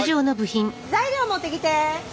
材料持ってきて。